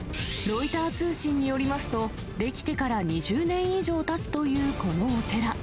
ロイター通信によりますと、出来てから２０年以上たつというこのお寺。